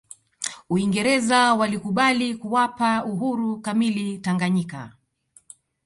uingereza walikubali kuwapa uhuru kamili tanganyika